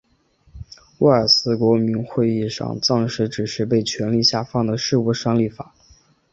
威尔斯国民议会暂时只在被权力下放的事务上立法。